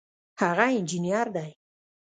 هغه انجینر دی